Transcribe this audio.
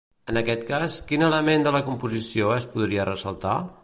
En aquest cas, quin element de la composició es podria ressaltar?